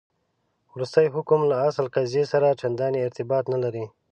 وروستی حکم له اصل قضیې سره چنداني ارتباط نه لري.